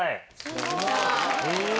・すごーい。